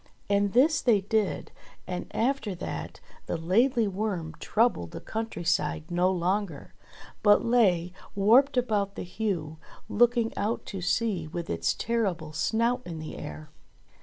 And this they did, and after that the Laidly Worm troubled the country side no longer ; but lay warped about the Heugh looking out to sea with its terrible snout in the air.